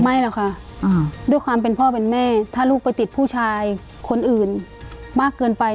หรอกค่ะด้วยความเป็นพ่อเป็นแม่ถ้าลูกไปติดผู้ชายคนอื่นมากเกินไป